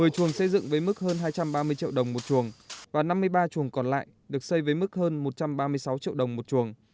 một mươi chuồng xây dựng với mức hơn hai trăm ba mươi triệu đồng một chuồng và năm mươi ba chuồng còn lại được xây với mức hơn một trăm ba mươi sáu triệu đồng một chuồng